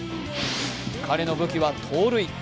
彼の武器は盗塁。